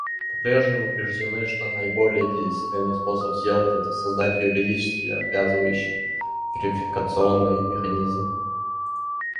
По-прежнему убеждены, что наиболее действенный способ сделать это — создать юридически обязывающий верификационный механизм.